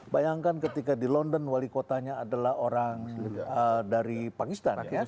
bayangkan ketika di london wali kotanya adalah orang dari pakistan